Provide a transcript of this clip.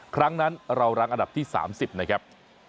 ครั้งนั้นเรารังอันดับที่๓๐นะครับ